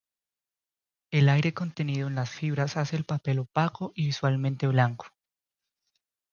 El aire contenido en las fibras hace el papel opaco y visualmente blanco.